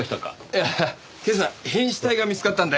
いや今朝変死体が見つかったんだよ。